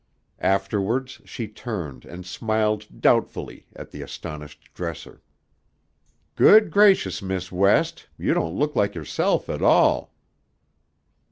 Afterwards she turned and smiled doubtfully at the astonished dresser. "Good gracious, Miss West! You don't look like yourself at all!"